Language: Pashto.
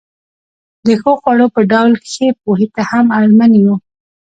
د ښو خوړو په ډول ښې پوهې ته هم اړمن یو.